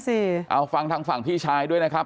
เอาฟังทางฝั่งพี่ชายด้วยนะครับ